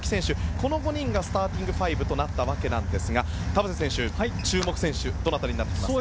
この５人がスターティングファイブとなったわけなんですが田臥選手、注目選手はどなたになってきますか？